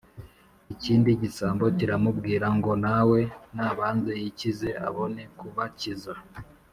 Ikindi gisambo kiramubwira ngo nawe nabanze yikize abone kubakiza